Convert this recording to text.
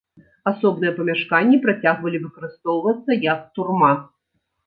Асобныя памяшканні працягвалі выкарыстоўвацца як турма.